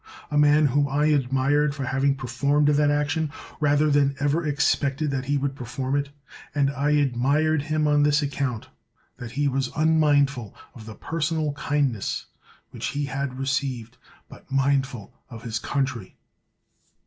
a man whom I admired for having per formed that action, rather than ever expected that he would perform it; and I admired him on this account, that he was unmindful of the personal kindnesses which he had received, but mindful of his country.